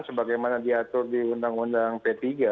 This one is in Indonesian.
sebagaimana diatur di undang undang p tiga